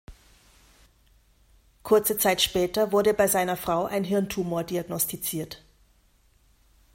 Kurze Zeit später wurde bei seiner Frau ein Hirntumor diagnostiziert.